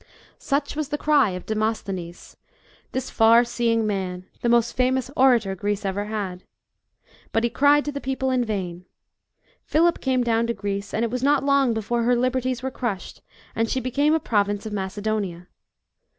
Such was % the cry of Demosthenes, this far seeing man the most famous orator Greece ever had. But he cried to the people in vain. Philip came down to Greece, and it was not long before her liberties were crushed and she became a province of Macedonia.